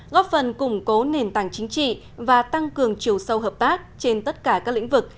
góp phần củng cố nền tảng chính trị và tăng cường chiều sâu hợp tác trên tất cả các lĩnh vực